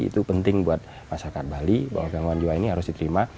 itu penting buat masyarakat bali bahwa gangguan jiwa ini harus diterima